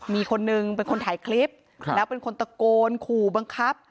มีคนนึงเป็นคนถ่ายคลิปแล้วเป็นคนตะโกนขู่บังคับ